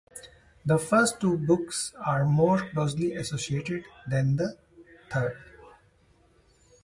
The first two books are more closely associated than the third.